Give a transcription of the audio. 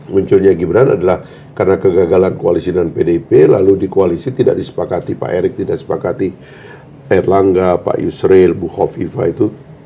munculnya gibran adalah karena kegagalan koalisi dan pdp lalu di koalisi tidak disepakati pak erik tidak disepakati erlangga pak yusril bukov viva itu